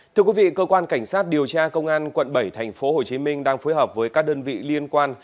thưa quý vị cơ quan cảnh sát điều tra công an quận bảy tp hcm đang phối hợp với các đơn vị liên quan